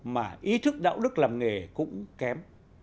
mà ý thức đạo đức làm nghề cũng kém